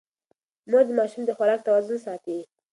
مور د ماشوم د خوراک توازن ساتي.